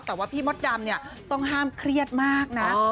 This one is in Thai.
แต่ว่าพี่มดดำเนี่ยต้องห้ามเครียดมากนะ